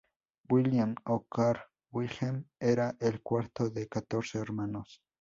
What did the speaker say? William, o Carl Wilhelm, era el cuarto de catorce hermanos.